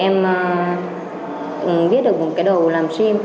em viết được cái đầu làm sim